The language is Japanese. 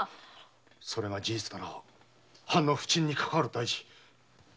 ⁉それが事実なら藩の浮沈にかかわる大事。